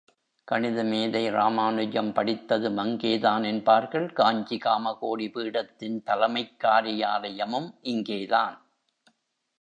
கணித மேதை ராமானுஜம் படித்ததும் அங்கே தான் என்பார்கள், காஞ்சி காமகோடி பீடத்தின் தலைமைக் காரியாலயமும் இங்கே தான்.